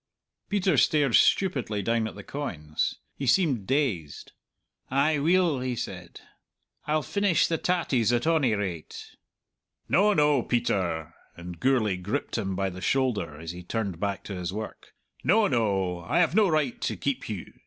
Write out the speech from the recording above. Peter stared stupidly down at the coins. He seemed dazed. "Ay, weel," he said; "I'll feenish the tatties, at ony rate." "No, no, Peter," and Gourlay gripped him by the shoulder as he turned back to his work "no, no; I have no right to keep you.